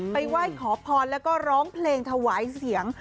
ไหว้ขอพรแล้วก็ร้องเพลงถวายเสียง